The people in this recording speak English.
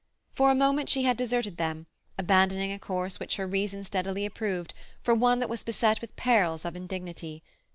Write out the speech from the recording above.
For a moment she had deserted them, abandoning a course which her reason steadily approved for one that was beset with perils of indignity.